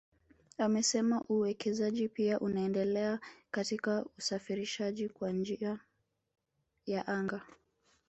Amesema uwekezaji pia unaendelea katika usafirishaji kwa njia ya anga